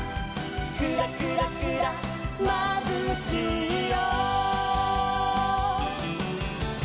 「クラクラクラまぶしいよ」